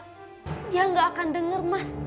dia gak akan dengar mas